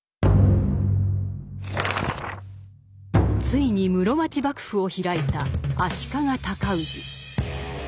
ついに室町幕府を開いた足利尊氏。